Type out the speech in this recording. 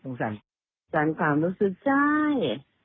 ตรงสารความรู้สึกใจ